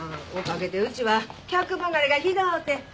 おかげでうちは客離れがひどうて。